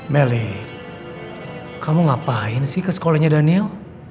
meli kamu ngapain sih ke sekolahnya daniel